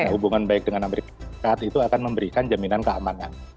hubungan baik dengan amerika serikat itu akan memberikan jaminan keamanan